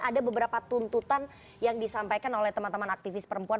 ada beberapa tuntutan yang disampaikan oleh teman teman aktivis perempuan